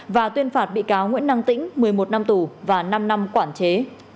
và tuyên phạt bị cáo nguyễn năng tĩnh một mươi một năm tù và năm năm quản chế